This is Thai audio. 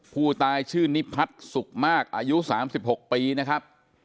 ผู้ตายชื่อนิพัฒน์สุขมากอายุ๓๖ปีนะครับ